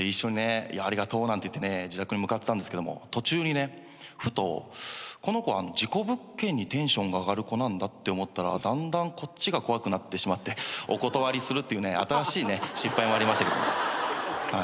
「ありがとう」なんて言って自宅に向かってたんですけども途中にふとこの子事故物件にテンション上がる子なんだって思ったらだんだんこっちが怖くなってしまってお断りするっていうね新しい失敗もありましたけど。